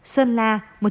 sơn la một trăm linh hai